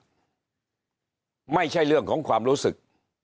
ไม่ใช่เรื่องของความรู้สึก